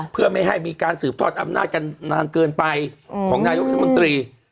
เพื่อไม่ให้มีการสืบทอดอำนาจกันนานเกินไปของนายกรัฐมนตรี